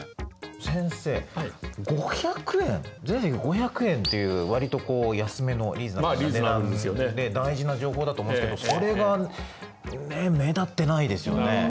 先生「５００円」「全席５００円」っていう割と安めのリーズナブルな値段で大事な情報だと思うんですけどそれが目立ってないですよね。